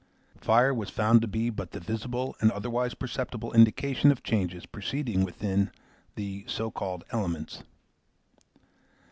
Fire was found to be but the visible and otherwise perceptible indication of changes proceeding within the, so called, elements.